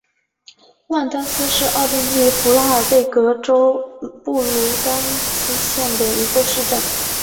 万丹斯是奥地利福拉尔贝格州布卢登茨县的一个市镇。